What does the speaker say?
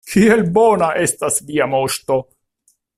Kiel bona estas Via Moŝto!